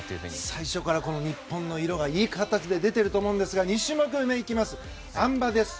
最初から日本の色がいい形で出ていると思いますが２種目め、あん馬です。